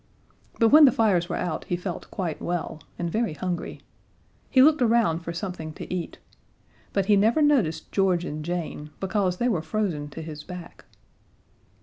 But when the fires were out he felt quite well, and very hungry. He looked around for something to eat. But he never noticed George and Jane, because they were frozen to his back.